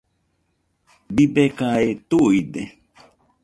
Bibekae tuide.